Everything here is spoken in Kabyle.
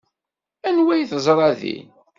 Anwa ay teẓra din?